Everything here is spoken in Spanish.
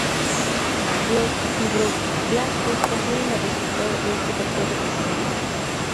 Los fibroblastos contienen el receptor de este factor de crecimiento.